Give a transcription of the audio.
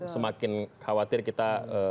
semakin khawatir kita